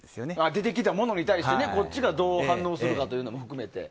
出てきたものに対してこっちがどう反応するかも含めて。